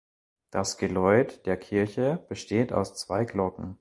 Das Geläut der Kirche besteht aus zwei Glocken.